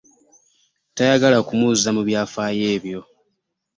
Tayagala kumuzza mu byafaayo ebyo.